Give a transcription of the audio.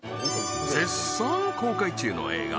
絶賛公開中の映画